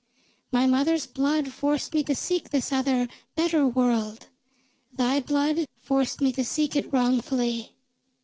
My mother's blood forced me to seek this other, better world; thy blood forced me to seek it wrongfully."